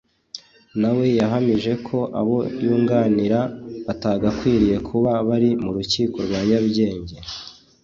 nawe yahamije ko abo yunganira batagakwiriye kuba bari mu rukiko rwa Nyarugenge